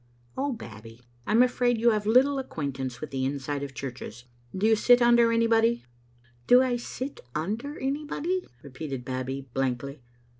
"Oh, Babbie, I am afraid you have little acquaint ance with the inside of churches. Do you sit tmder anybody?" " Do I sit under anybody?" repeated Babbie, blankly.